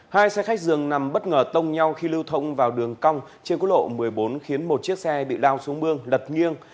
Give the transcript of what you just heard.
hai xe khách dường nằm bất ngờ tông nhau khi lưu thông vào đường cong trên quốc lộ một mươi bốn khiến một chiếc xe bị lao xuống mương lật nghiêng